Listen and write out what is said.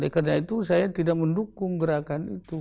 karena itu saya tidak mendukung gerakan itu